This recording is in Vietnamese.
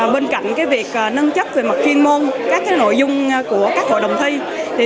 bên cạnh việc nâng chất về mặt chuyên môn các nội dung của các hội đồng thi